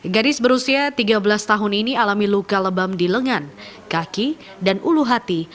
gadis berusia tiga belas tahun ini alami luka lebam di lengan kaki dan ulu hati